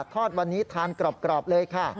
ทอดวันนี้ทานกรอบเลยค่ะ